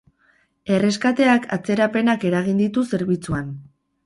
Erreskateak atzerapenak eragin ditu zerbitzuan.